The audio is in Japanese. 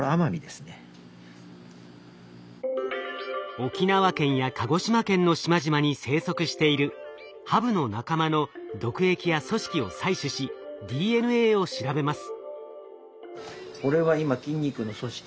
沖縄県や鹿児島県の島々に生息しているハブの仲間の毒液や組織を採取しＤＮＡを調べます。